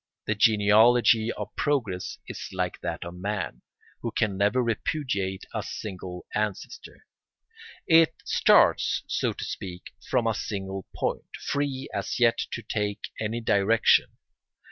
The genealogy of progress is like that of man, who can never repudiate a single ancestor. It starts, so to speak, from a single point, free as yet to take any direction.